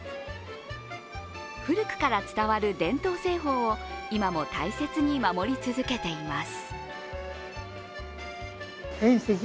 古くから伝わる伝統製法を今も大切に守り続けています。